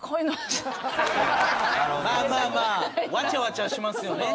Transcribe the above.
まあまあまあわちゃわちゃしますよね。